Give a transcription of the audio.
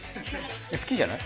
好きじゃない？